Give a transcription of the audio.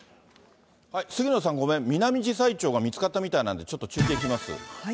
杉野さん、ごめん、ミナミジサイチョウが見つかったみたいなんで、ちょっと中継いきます。